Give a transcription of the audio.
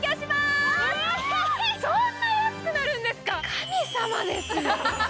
神様ですよ。